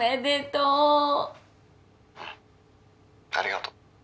☎うんありがとう